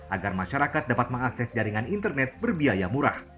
agar masyarakat dapat mengakses jaringan internet berbiaya murah